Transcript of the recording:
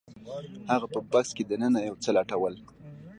هغه په بکس کې دننه یو څه لټول